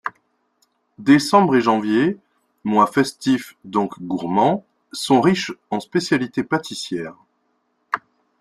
Décembre et janvier, mois festifs donc gourmands, sont riches en spécialités pâtissières.